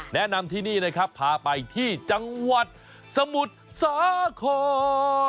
แนะนำที่นี่นะครับพาไปที่จังหวัดสมุทรสาคร